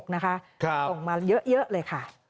๒๕๖๖นะคะส่งมาเยอะเลยค่ะ